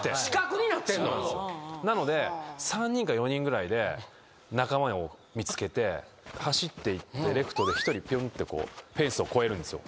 なので３人か４人ぐらいで仲間を見つけて走っていってレフトで１人ぴゅんってこうフェンスを越えるんですよ。